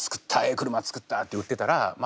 車作ったって売ってたらま